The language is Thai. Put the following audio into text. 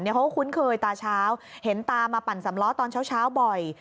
เขาก็คุ้นเคยตาเช้าเห็นตามาปั่นสำล้อตอนเช้าบ่อย